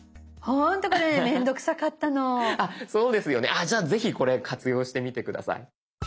あじゃあぜひこれ活用してみて下さい。